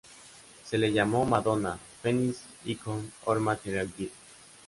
Se le llamó "Madonna: Feminist Icon or Material Girl?